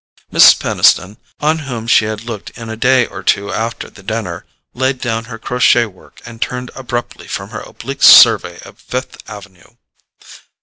Mrs. Peniston, on whom she had looked in a day or two after the dinner, laid down her crochet work and turned abruptly from her oblique survey of Fifth Avenue.